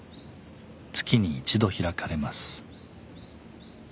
月に１度開かれます。